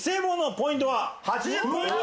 ポイントは８０ポイント！